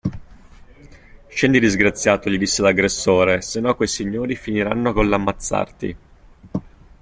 Scendi disgraziato gli disse l'aggressore se no quei signori finiranno coll'ammazzarti.